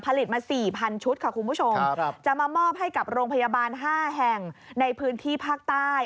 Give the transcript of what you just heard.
มา๔๐๐ชุดค่ะคุณผู้ชมจะมามอบให้กับโรงพยาบาล๕แห่งในพื้นที่ภาคใต้